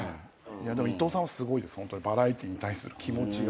でも伊藤さんはすごいですバラエティーに対する気持ちが。